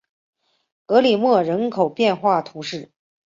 格里莫人口变化图示